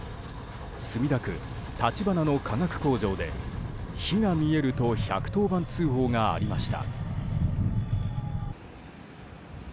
墨田区立花の化学工場で火が見えると１１０番通報がありました。